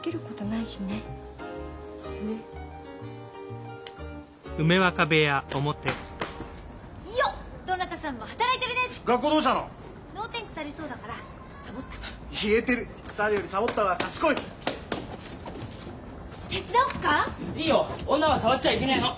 いいよ女は触っちゃいけねえの。